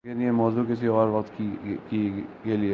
لیکن یہ موضوع کسی اور وقت کے لئے۔